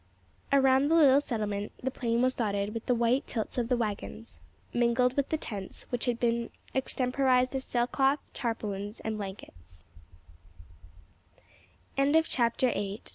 Around the little settlement the plain was dotted with the white tilts of the waggons, mingled with the tents which had been extemporised of sail cloth, tarpaulins, and blankets. CHAPTER IX.